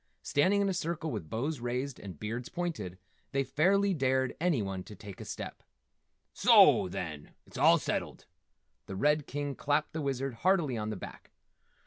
Standing in a circle with bows raised and beards pointed, they fairly dared anyone to take a step. "Soo, then, it's all settled!" The Red King clapped the Wizard heartily on the back.